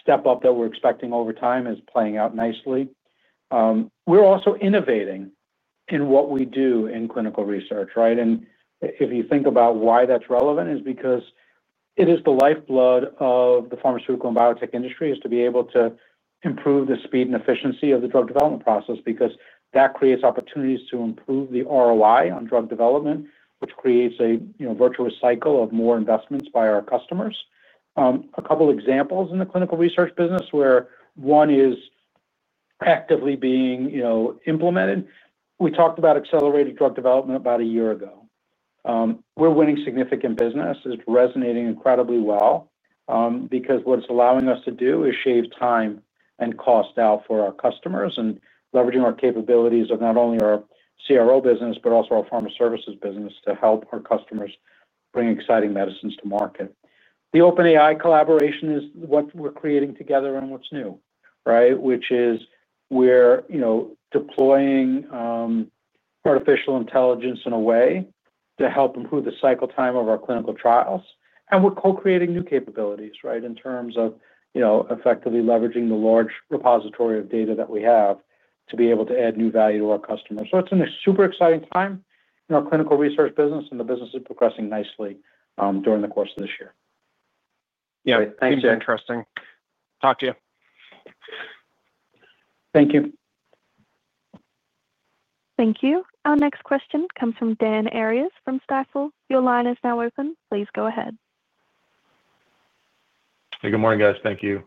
step up that we're expecting over time is playing out nicely. We're also innovating in what we do in clinical research, right? If you think about why that's relevant, it's because it is the lifeblood of the pharmaceutical and biotech industry to be able to improve the speed and efficiency of the drug development process because that creates opportunities to improve the ROI on drug development, which creates a virtuous cycle of more investments by our customers. A couple of examples in the clinical research business where one is actively being implemented. We talked about Accelerator Drug Development about a year ago. We're winning significant business. It's resonating incredibly well because what it's allowing us to do is shave time and cost out for our customers and leveraging our capabilities of not only our CRO business, but also our Pharma Services business to help our customers bring exciting medicines to market. The OpenAI collaboration is what we're creating together and what's new, right? We're deploying artificial intelligence in a way to help improve the cycle time of our clinical trials. We're co-creating new capabilities, right, in terms of effectively leveraging the large repository of data that we have to be able to add new value to our customers. It's a super exciting time in our clinical research business, and the business is progressing nicely during the course of this year. Yeah, thanks, Jack. Interesting. Talk to you. Thank you. Thank you. Our next question comes from Dan Arias from Stifel. Your line is now open. Please go ahead. Hey, good morning, guys. Thank you.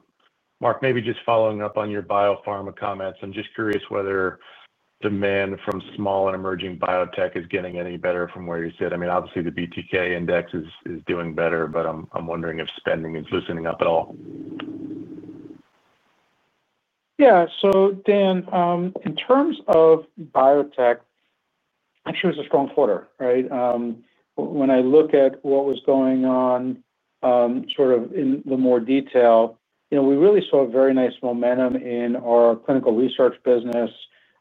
Mark, maybe just following up on your biopharma comments. I'm just curious whether the demand from small and emerging biotech is getting any better from where you sit. I mean, obviously, the BTK index is doing better, but I'm wondering if spending is loosening up at all. Yeah. Dan, in terms of biotech, I'm sure it's a strong quarter, right? When I look at what was going on in more detail, we really saw very nice momentum in our clinical research business.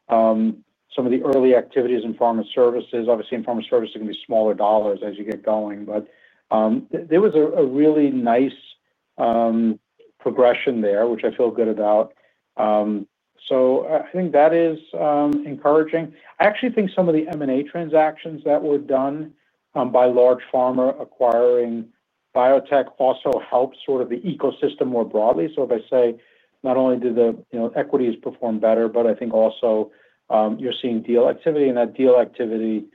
Some of the early activities in Pharma Services, obviously, in Pharma Services, it's going to be smaller dollars as you get going, but there was a really nice progression there, which I feel good about. I think that is encouraging. I actually think some of the M&A transactions that were done by large pharma acquiring biotech also help the ecosystem more broadly. If I say not only do the equities perform better, but I think also you're seeing deal activity, and that deal activity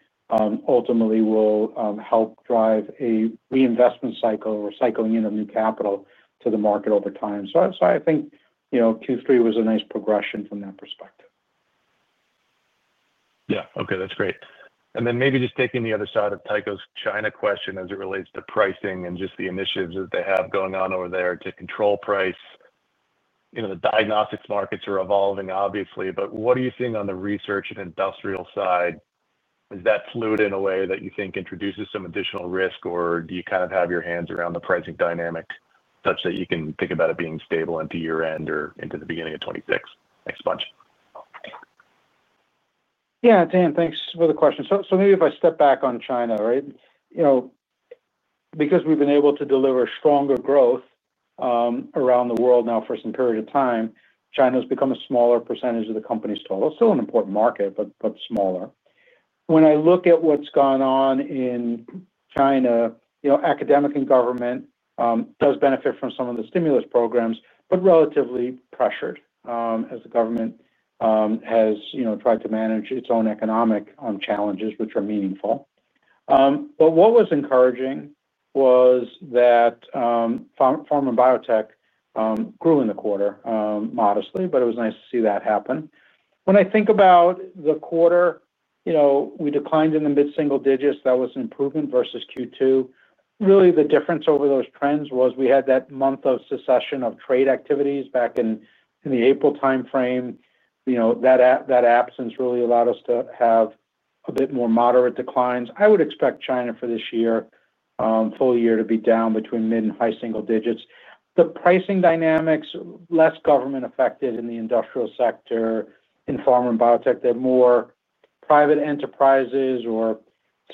ultimately will help drive a reinvestment cycle or cycling in of new capital to the market over time. I think Q3 was a nice progression from that perspective. Okay. That's great. Maybe just taking the other side of Tycho's China question as it relates to pricing and just the initiatives that they have going on over there to control price. The diagnostics markets are evolving, obviously, but what are you seeing on the research and industrial side? Is that fluid in a way that you think introduces some additional risk, or do you kind of have your hands around the pricing dynamic such that you can think about it being stable into year-end or into the beginning of 2026? Thanks, bunch. Yeah, Dan, thanks for the question. Maybe if I step back on China, right? You know, because we've been able to deliver stronger growth around the world now for some period of time, China's become a smaller percentage of the company's total. Still an important market, but smaller. When I look at what's going on in China, academic and government does benefit from some of the stimulus programs, but relatively pressured as the government has tried to manage its own economic challenges, which are meaningful. What was encouraging was that pharma and biotech grew in the quarter modestly, but it was nice to see that happen. When I think about the quarter, we declined in the mid-single digits. That was an improvement versus Q2. Really, the difference over those trends was we had that month of secession of trade activities back in the April timeframe. That absence really allowed us to have a bit more moderate declines. I would expect China for this year, full year, to be down between mid and high single digits. The pricing dynamics, less government affected in the industrial sector, in pharma and biotech, they're more private enterprises or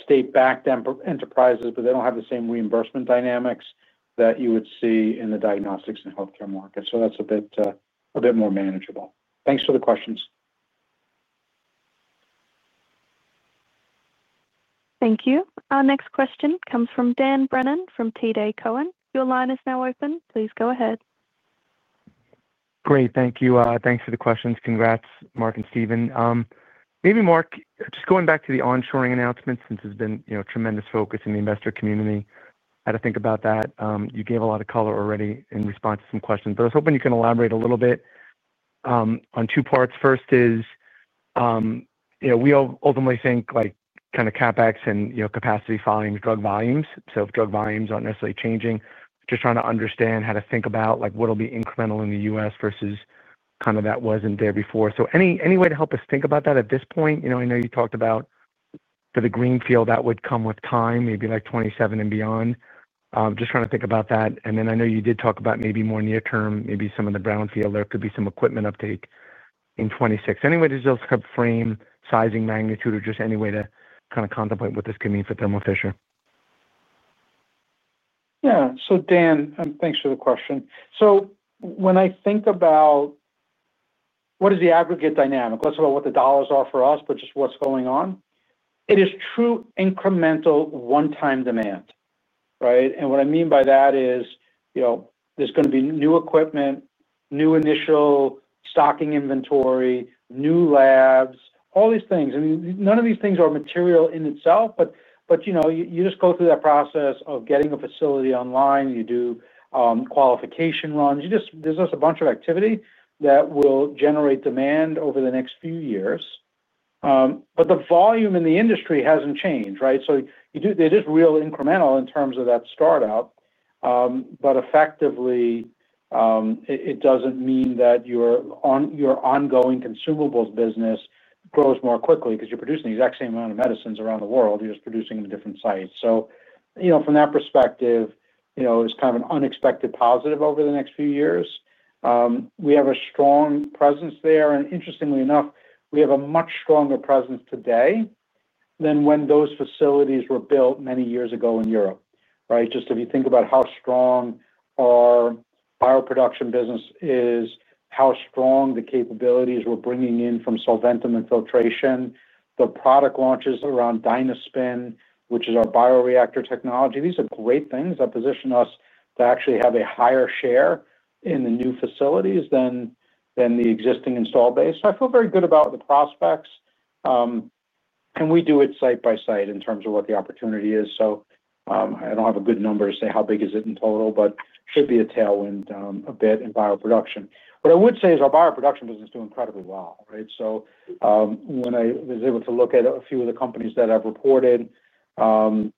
state-backed enterprises, but they don't have the same reimbursement dynamics that you would see in the diagnostics and healthcare market. That's a bit more manageable. Thanks for the questions. Thank you. Our next question comes from Dan Brennan from TD Cowen. Your line is now open. Please go ahead. Great. Thank you. Thanks for the questions. Congrats, Marc and Stephen. Maybe, Marc, just going back to the onshoring announcements, since there's been, you know, tremendous focus in the investor community. How to think about that. You gave a lot of color already in response to some questions, but I was hoping you can elaborate a little bit on two parts. First is, you know, we ultimately think like kind of CapEx and, you know, capacity volumes, drug volumes. If drug volumes aren't necessarily changing, just trying to understand how to think about like what'll be incremental in the U.S. versus kind of that wasn't there before. Any way to help us think about that at this point? I know you talked about for the greenfield, that would come with time, maybe like 2027 and beyond. I'm just trying to think about that. I know you did talk about maybe more near-term, maybe some of the brownfield, there could be some equipment uptake in 2026. Any way to just help frame sizing magnitude or just any way to kind of contemplate what this could mean for Thermo Fisher? Yeah. Dan, thanks for the question. When I think about what is the aggregate dynamic, less about what the dollars are for us, but just what's going on, it is true incremental one-time demand, right? What I mean by that is, you know, there's going to be new equipment, new initial stocking inventory, new labs, all these things. None of these things are material in itself, but you just go through that process of getting a facility online. You do qualification runs. There's just a bunch of activity that will generate demand over the next few years. The volume in the industry hasn't changed, right? It is real incremental in terms of that startup, but effectively, it doesn't mean that your ongoing consumables business grows more quickly because you're producing the exact same amount of medicines around the world. You're just producing them in different sites. From that perspective, it's kind of an unexpected positive over the next few years. We have a strong presence there. Interestingly enough, we have a much stronger presence today than when those facilities were built many years ago in Europe, right? If you think about how strong our Bioproduction business is, how strong the capabilities we're bringing in from Solventum and filtration, the product launches around DynaSpin, which is our bioreactor technology. These are great things that position us to actually have a higher share in the new facilities than the existing install base. I feel very good about the prospects. We do it site by site in terms of what the opportunity is. I don't have a good number to say how big is it in total, but it should be a tailwind a bit in Bioproduction. What I would say is our Bioproduction business is doing incredibly well, right? When I was able to look at a few of the companies that have reported, very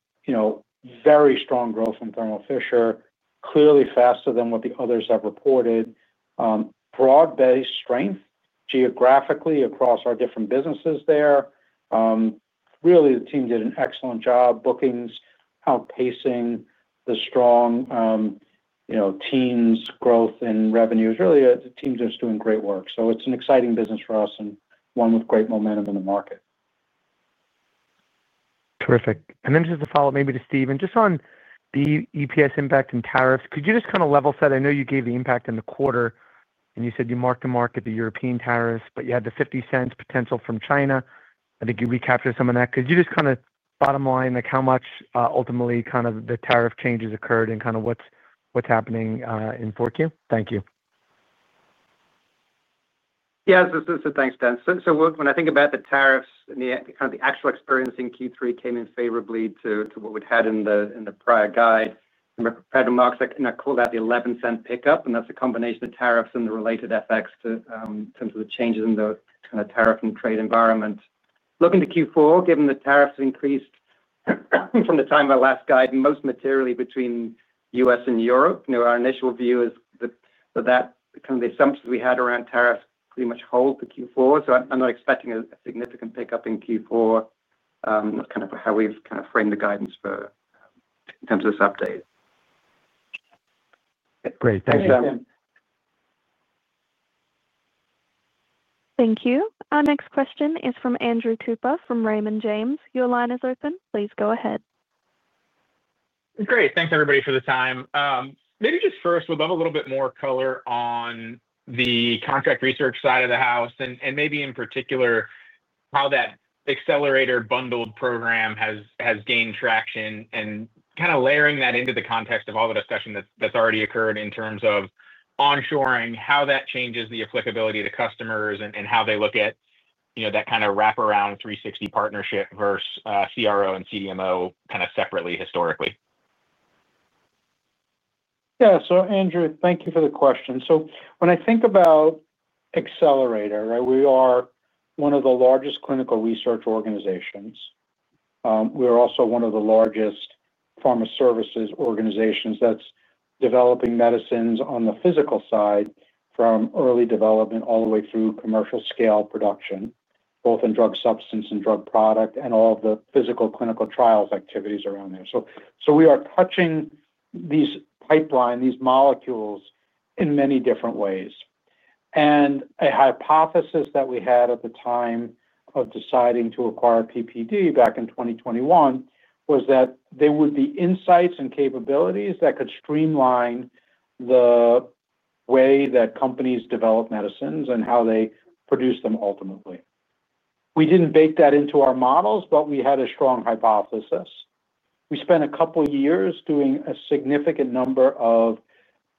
strong growth from Thermo Fisher, clearly faster than what the others have reported. Broad-based strength geographically across our different businesses there. Really, the team did an excellent job. Bookings outpacing the strong teams' growth in revenues. Really, the team's just doing great work. It's an exciting business for us and one with great momentum in the market. Terrific. Just a follow-up maybe to Stephen, just on the EPS impact and tariffs. Could you just kind of level set? I know you gave the impact in the quarter, and you said you marked the market, the European tariffs, but you had the $0.50 potential from China. I think you recaptured some of that. Could you just kind of bottom line, like how much ultimately kind of the tariff changes occurred and kind of what's happening in forthcoming? Thank you. Thanks, Dan. When I think about the tariffs and the actual experience in Q3, it came in favorably to what we'd had in the prior guide. I'm prepared to mark that, and I call that the $0.11 pickup. That's a combination of tariffs and the related effects in terms of the changes in the tariff and trade environment. Looking to Q4, given the tariffs increased from the time of our last guide, most materially between the U.S. and Europe, our initial view is that the assumptions we had around tariffs pretty much hold for Q4. I'm not expecting a significant pickup in Q4. That's how we've framed the guidance for this update. Great. Thanks, Dan. Thank you. Our next question is from Andrew Cooper from Raymond James. Your line is open. Please go ahead. Great. Thanks, everybody, for the time. Maybe just first, would love a little bit more color on the contract research side of the house and maybe in particular how that Accelerator bundled program has gained traction and kind of layering that into the context of all the discussion that's already occurred in terms of onshoring, how that changes the applicability to customers and how they look at, you know, that kind of wraparound 360 partnership versus CRO and CDMO kind of separately historically. Yeah. Andrew, thank you for the question. When I think about Accelerator, we are one of the largest clinical research organizations. We are also one of the largest Pharma Services organizations that's developing medicines on the physical side from early development all the way through commercial scale production, both in drug substance and drug product and all of the physical clinical trials activities around there. We are touching these pipelines, these molecules in many different ways. A hypothesis that we had at the time of deciding to acquire PPD back in 2021 was that there would be insights and capabilities that could streamline the way that companies develop medicines and how they produce them ultimately. We didn't bake that into our models, but we had a strong hypothesis. We spent a couple of years doing a significant number of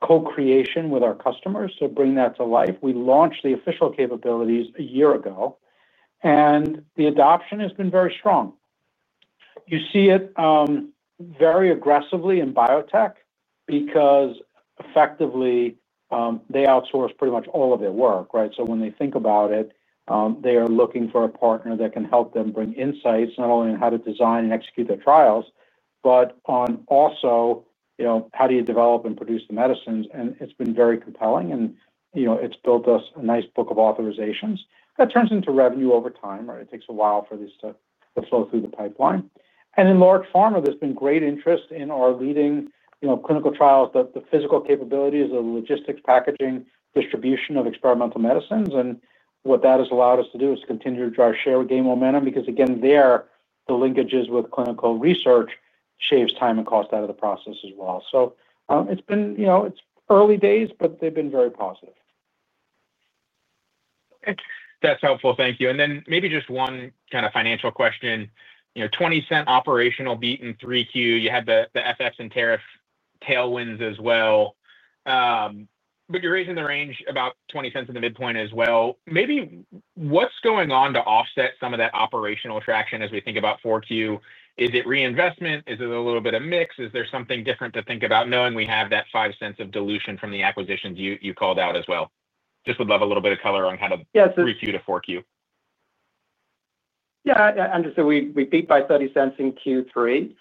co-creation with our customers to bring that to life. We launched the official capabilities a year ago, and the adoption has been very strong. You see it very aggressively in biotech because effectively they outsource pretty much all of their work. When they think about it, they are looking for a partner that can help them bring insights not only in how to design and execute their trials, but also, you know, how do you develop and produce the medicines. It's been very compelling. It's built us a nice book of authorizations that turns into revenue over time. It takes a while for these to flow through the pipeline. In large pharma, there's been great interest in our leading clinical trials, the physical capabilities, the logistics, packaging, distribution of experimental medicines. What that has allowed us to do is continue to drive share gain momentum because, again, there, the linkages with clinical research shaves time and cost out of the process as well. It's early days, but they've been very positive. Okay. That's helpful. Thank you. Maybe just one kind of financial question. You know, $0.20 operational beat in 3Q. You had the FX and tariff tailwinds as well. You're raising the range about $0.20 in the midpoint as well. Maybe what's going on to offset some of that operational traction as we think about 4Q? Is it reinvestment? Is it a little bit of mix? Is there something different to think about knowing we have that $0.05 of dilution from the acquisitions you called out as well? Just would love a little bit of color on how to 3Q to 4Q. Yeah, Andrew. We beat by $0.30 in Q3.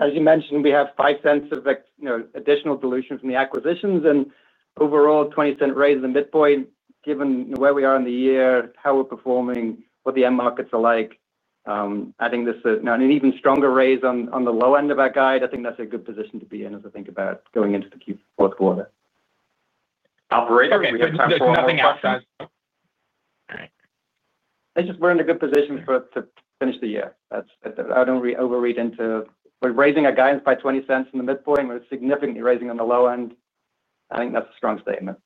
As you mentioned, we have $0.05 of additional dilution from the acquisitions. Overall, a $0.20 raise in the midpoint, given where we are in the year, how we're performing, what the end markets are like, adding this now in an even stronger raise on the low end of our guide. I think that's a good position to be in as I think about going into the Q4 quarter. All right. We have time for one more question. Thanks. Nothing else, guys. It's just we're in a good position to finish the year. I don't overread into we're raising our guidance by $0.20 in the midpoint. We're significantly raising on the low end. I think that's a strong statement.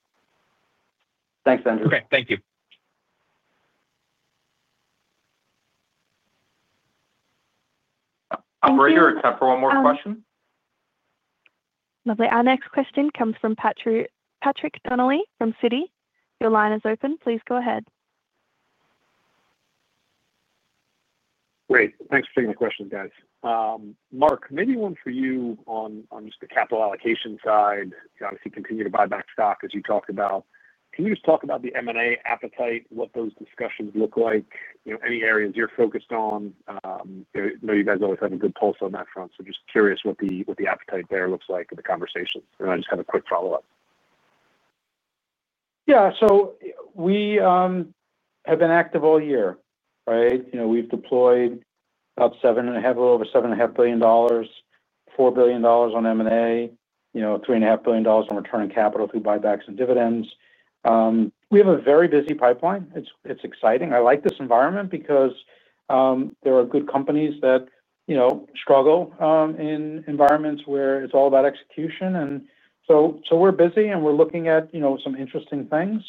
Thanks, Andrew. Okay, thank you. I'm ready to accept one more question. Lovely. Our next question comes from Patrick Donnelly from Citi. Your line is open. Please go ahead. Great. Thanks for taking the questions, guys. Marc, maybe one for you on just the capital allocation side. You obviously continue to buy back stock as you talked about. Can you just talk about the M&A appetite, what those discussions look like, you know, any areas you're focused on? You guys always have a good pulse on that front. Just curious what the appetite there looks like in the conversations. I just have a quick follow-up. Yeah. We have been active all year, right? We've deployed about $7.5 billion, a little over $7.5 billion, $4 billion on M&A, $3.5 billion on returning capital through buybacks and dividends. We have a very busy pipeline. It's exciting. I like this environment because there are good companies that struggle in environments where it's all about execution. We're busy, and we're looking at some interesting things.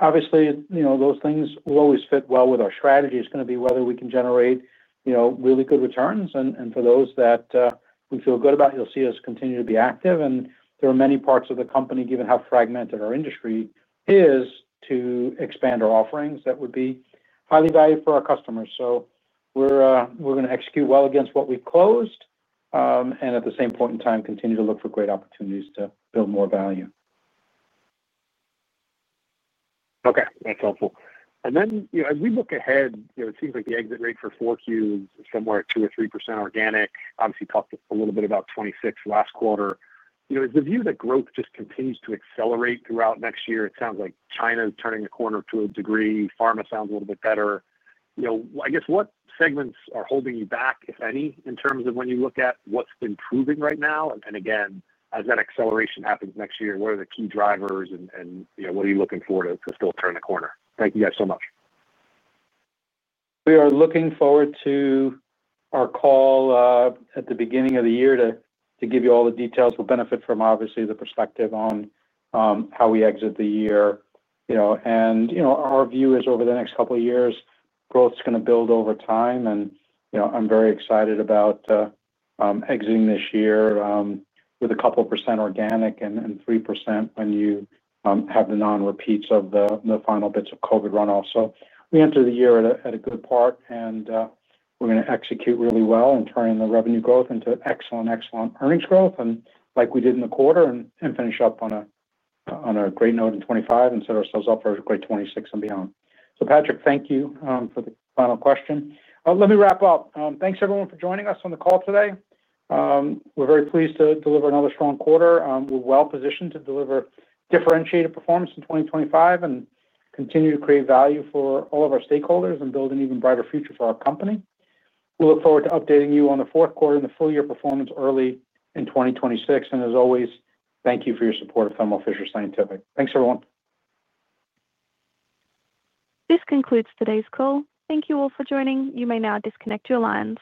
Obviously, those things will always fit well with our strategy. It's going to be whether we can generate really good returns. For those that we feel good about, you'll see us continue to be active. There are many parts of the company, given how fragmented our industry is, to expand our offerings that would be highly valued for our customers. We're going to execute well against what we closed and at the same point in time, continue to look for great opportunities to build more value. Okay. That's helpful. As we look ahead, it seems like the exit rate for 4Q is somewhere at 2% or 3% organic. Obviously, you talked a little bit about 2026 last quarter. Is the view that growth just continues to accelerate throughout next year? It sounds like China is turning the corner to a degree. Pharma sounds a little bit better. I guess what segments are holding you back, if any, in terms of when you look at what's improving right now? As that acceleration happens next year, what are the key drivers and what are you looking forward to to still turn the corner? Thank you guys so much. We are looking forward to our call at the beginning of the year to give you all the details. We'll benefit from, obviously, the perspective on how we exit the year. Our view is over the next couple of years, growth is going to build over time. I'm very excited about exiting this year with a couple percent organic and 3% when you have the non-repeats of the final bits of COVID runoff. We enter the year at a good part, and we're going to execute really well and turn the revenue growth into excellent, excellent earnings growth, like we did in the quarter, and finish up on a great note in 2025 and set ourselves up for a great 2026 and beyond. Patrick, thank you for the final question. Let me wrap up. Thanks, everyone, for joining us on the call today. We're very pleased to deliver another strong quarter. We're well positioned to deliver differentiated performance in 2025 and continue to create value for all of our stakeholders and build an even brighter future for our company. We look forward to updating you on the fourth quarter and the full-year performance early in 2026. As always, thank you for your support of Thermo Fisher Scientific. Thanks, everyone. This concludes today's call. Thank you all for joining. You may now disconnect your lines.